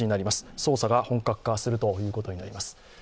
捜査が本格化するということになります。